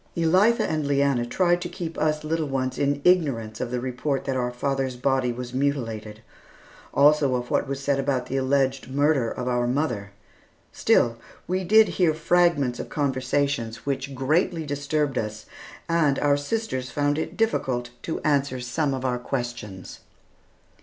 Elitha and Leanna tried to keep us little ones in ignorance of the report that our father's body was mutilated, also of what was said about the alleged murder of our mother. Still we did hear fragments of conversations which greatly disturbed us, and our sisters found it difficult to answer some of our questions.